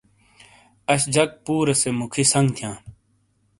آش جک پورےسے موکھی سنگ تھیاں۔